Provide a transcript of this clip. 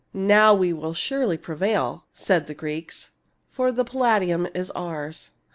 " Now we shall surely prevail," said the Greeks ;" for the Palladium is ours."